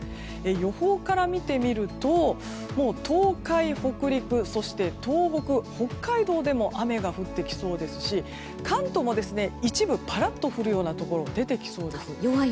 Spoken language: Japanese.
予報から見てみるともう東海・北陸そして東北、北海道でも雨が降ってきそうですし関東も一部パラッと降るようなところが出てきそうです。